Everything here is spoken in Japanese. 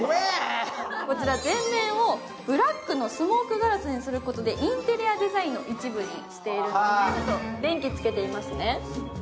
こちら全面をブラックのスモークガラスにすることでインテリアデザインの一部にしているんです。